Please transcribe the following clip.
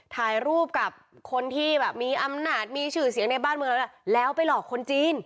ถ่ายรูปกับคนที่แบบมีอำนาจมีชื่อเสียงในบ้านเมืองแล้วแล้วไปหลอกคนจีน